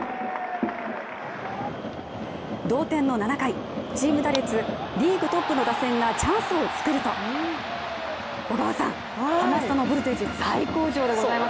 同点の７回、チーム打率リーグトップの打線がチャンスを作るとハマスタのボルテージ最高潮でございます。